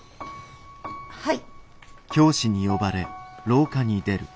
はい。